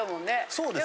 そうですね。